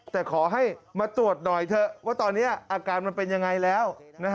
แต่ขอให้มาตรวจหน่อยเถอะว่าตอนนี้อาการมันเป็นยังไงแล้ว